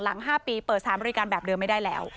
๕ปีเปิดสารบริการแบบเดิมไม่ได้แล้ว